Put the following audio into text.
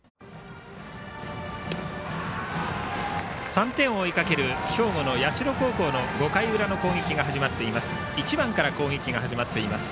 ３点を追いかける兵庫の社高校の５回裏の攻撃が始まっています。